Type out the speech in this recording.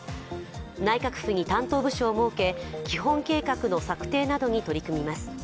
内閣府に担当部署を設け、基本計画の策定などに取り組みます。